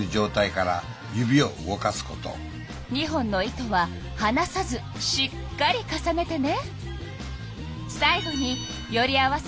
２本の糸ははなさずしっかり重ねてね。